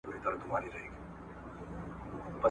قسمت پردی کړې ښکلې کابله ,